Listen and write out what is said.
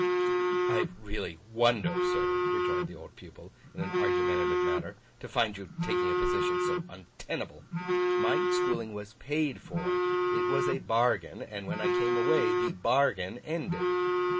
'I really wonder, sir,' rejoined the old pupil in an argumentative manner, 'to find you taking a position so untenable. My schooling was paid for; it was a bargain; and when I came away, the bargain ended.